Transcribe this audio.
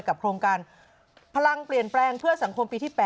โครงการพลังเปลี่ยนแปลงเพื่อสังคมปีที่๘